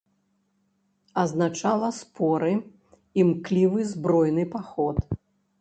Азначала споры, імклівы збройны паход.